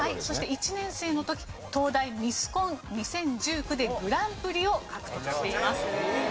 そして１年生の時東大ミスコン２０１９でグランプリを獲得しています。